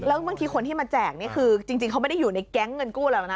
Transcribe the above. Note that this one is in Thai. แล้วบางทีคนที่มาแจกนี่คือจริงเขาไม่ได้อยู่ในแก๊งเงินกู้หรอกนะ